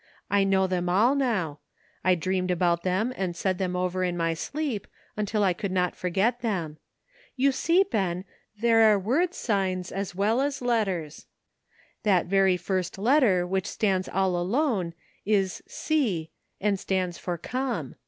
I know them all now. I dreamed about them and said them over in my sleep, until I could not forget them. You see, Ben, there are word signs as well as letters. That very first letter which stands all alone is c, and it stands for ' come.'